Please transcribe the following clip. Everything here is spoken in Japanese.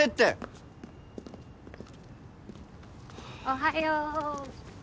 おはよう。